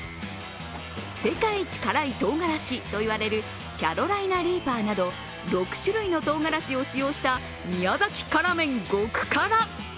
世界一辛いとうがらしと言われるキャロライナ・リーパーなど６種類のとうがらしを使用した宮崎辛麺極辛。